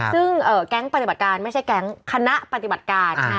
ซึ่งแก๊งปฏิบัติการไม่ใช่แก๊งคณะปฏิบัติการ